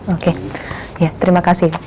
oke ya terima kasih